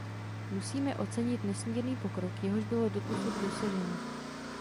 Musíme ocenit nesmírný pokrok, jehož bylo doposud dosaženo.